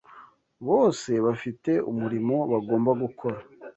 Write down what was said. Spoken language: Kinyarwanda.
bose bafite umurimo bagomba gukora